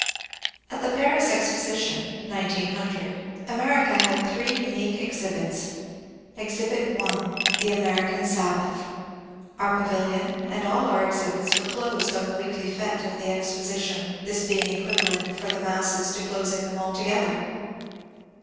At the Paris Exposition (1900) America had three unique exhibits. Exhibit 1. The American Sabbath. Our pavilion and all our exhibits were closed on the weekly fete of the Exposition, this being equivalent for the masses to closing them altogether.